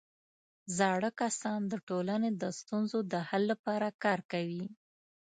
زاړه کسان د ټولنې د ستونزو د حل لپاره کار کوي